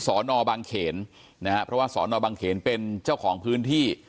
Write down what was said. สอนอบางเขนนะฮะเพราะว่าสอนอบางเขนเป็นเจ้าของพื้นที่